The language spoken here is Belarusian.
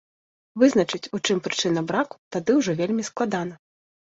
Вызначыць, у чым прычына браку, тады ўжо вельмі складана.